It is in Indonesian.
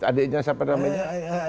adiknya siapa namanya